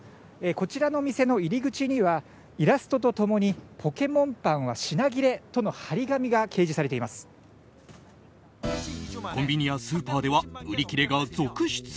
こちらの店の入り口にはイラストと共にポケモンパンは品切れとのコンビニやスーパーでは売り切れが続出。